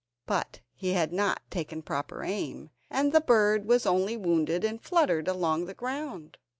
But he had not taken proper aim, and the bird was only wounded, and fluttered along the ground.